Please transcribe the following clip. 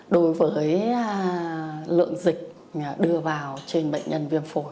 đối với lượng dịch đưa vào trên bệnh nhân viêm phổi